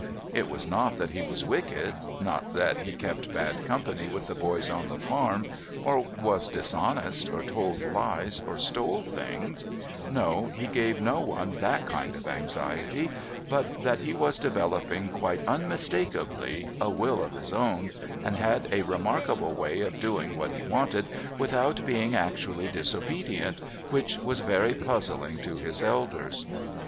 It was not that he was wicked, not that he kept bad company with the boys on the farm, or was dishonest, or told lies, or stole things no, he gave no one that kind of anxiety but that he was developing quite unmistakably a will of his own, and had a remarkable way of doing what he wanted without being actually disobedient, which was very puzzling to his elders.